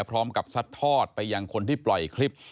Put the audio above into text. พร้อมกับสัดทอดไปยังคนที่ปล่อยคลิป